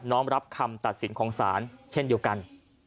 ้อมรับคำตัดสินของศาลเช่นเดียวกัน